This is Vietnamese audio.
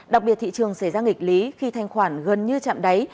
đặc biệt thị trường xảy ra nghịch lý khi thanh khoản gần như chạm đáy